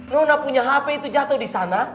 nona punya hp itu jatuh di sana